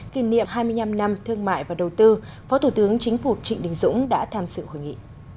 kỷ niệm hai mươi năm năm thương mại và đầu tư phó thủ tướng chính phủ trịnh đình dũng đã tham sự hội nghị